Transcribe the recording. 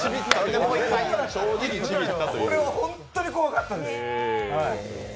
これは本当に怖かったです！